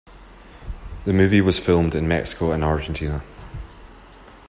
The movie was filmed in Mexico and Argentina.